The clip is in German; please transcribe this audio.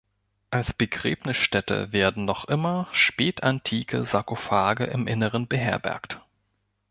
Als Begräbnisstätte werden noch immer spätantike Sarkophage im Inneren beherbergt.